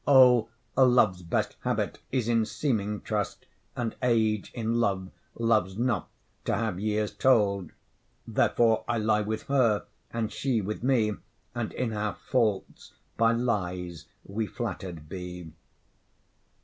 O! love's best habit is in seeming trust, And age in love, loves not to have years told: Therefore I lie with her, and she with me, And in our faults by lies we flatter'd be.